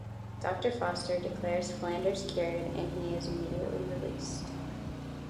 Doctor Foster declares Flanders cured and he is immediately released.